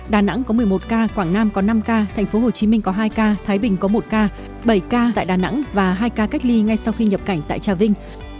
đà nẵng có một mươi một ca quảng nam có năm ca tp hcm có hai ca thái bình có một ca bảy ca tại đà nẵng và hai ca cách ly ngay sau khi nhập cảnh tại trà vinh